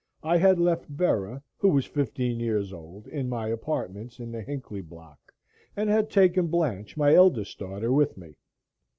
I had left Bera, who was fifteen years old, in my apartments in the Hinckley Block and had taken Blanche, my eldest daughter, with me.